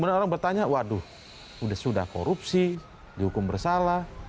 karena orang bertanya waduh sudah korupsi dihukum bersalah